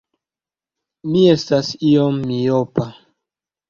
Mi estas iom miopa.